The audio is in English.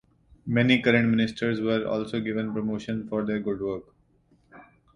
Many current ministers were also given promotion for their good work.